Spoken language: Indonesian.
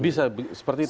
bisa seperti itu ya